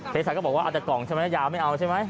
เศรษฐก็บอกว่าอาจจะกล่องใช่ไหมแล้วยาไม่เอาใช่ไหม